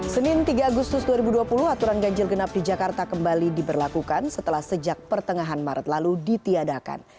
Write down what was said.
senin tiga agustus dua ribu dua puluh aturan ganjil genap di jakarta kembali diberlakukan setelah sejak pertengahan maret lalu ditiadakan